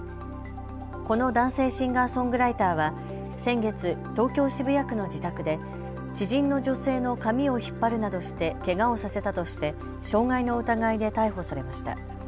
この男性シンガーソングライターは先月、東京渋谷区の自宅で知人の女性の髪を引っ張るなどしてけがをさせたとして傷害の疑いで逮捕されました。